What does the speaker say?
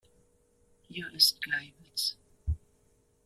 Hier ist Gleiwitz.